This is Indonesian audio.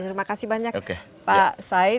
terima kasih banyak pak said